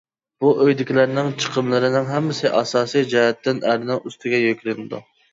بۇ ئۆيدىكىلەرنىڭ چىقىملىرىنىڭ ھەممىسى ئاساسىي جەھەتتىن ئەرنىڭ ئۈستىگە يۈكلىنىدۇ.